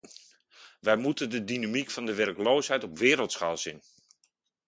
Wij moeten de dynamiek van de werkloosheid op wereldschaal zien.